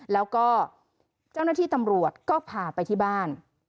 แล้วก็เจ้าหน้าที่ตำรวจก็พาไปที่บ้าน